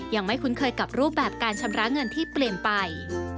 คุ้นเคยกับรูปแบบการชำระเงินที่เปลี่ยนไป